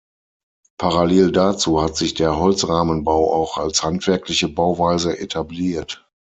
Parallel dazu hat sich der Holzrahmenbau auch als handwerkliche Bauweise etabliert.